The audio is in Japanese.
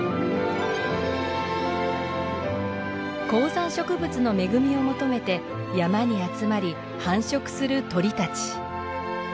高山植物の恵みを求めて山に集まり繁殖する鳥たち。